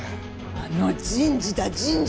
あの人事だ人事！